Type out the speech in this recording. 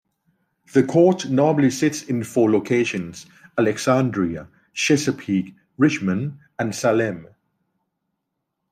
The Court normally sits in four locations: Alexandria, Chesapeake, Richmond and Salem.